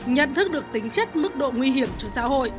nhận thức được tính chất mức độ nguy hiểm cho xã hội